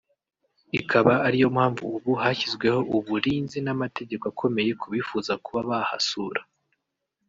ikaba ariyo mpamvu ubu hashyizweho ubulinzi n’amategeko akomeye ku bifuza kuba bahasura